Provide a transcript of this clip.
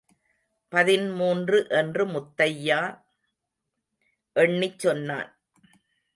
பதின்மூன்று என்று முத்தையா எண்ணிச் சொன்னான்.